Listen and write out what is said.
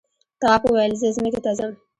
تواب وویل زه ځمکې ته ځم.